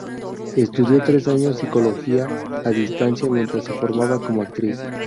Estudió tres años psicología a distancia mientras se formaba como actriz.